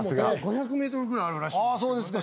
ああそうですか。